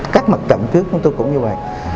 các mặt trận trước chúng tôi cũng như vậy